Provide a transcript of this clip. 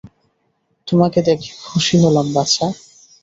তোমাকে দেখে খুশি হলাম, বাছা।